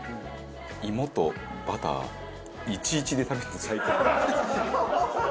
芋とバター１：１で食べると最強。